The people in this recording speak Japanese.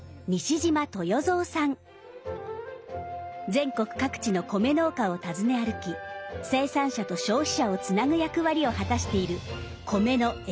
全国各地の米農家を訪ね歩き生産者と消費者をつなぐ役割を果たしている米のエキスパートです。